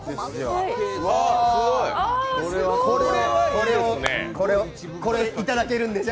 これいただけるんでしょ。